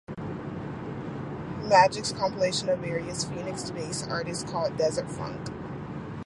Magic's compilation of various Phoenix-based artists called Desert Funk!